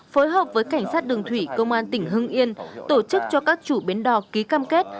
phối hợp với cảnh sát đường thủy công an tỉnh hưng yên tổ chức cho các chủ bến đỏ ký cam kết